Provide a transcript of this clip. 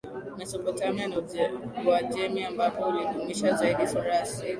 Mesopotamia na Uajemi ambapo ulidumisha zaidi sura asili